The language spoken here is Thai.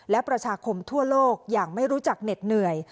และประชาคมทั่วโลกอย่างไม่รู้จักเหน็ดเหนื่อย